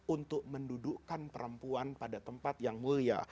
untuk mendudukkan perempuan pada tempat yang mulia